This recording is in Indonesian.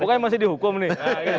bukannya masih dihukum nih